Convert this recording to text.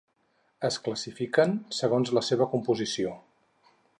Es classifiquen, segons la seva composició.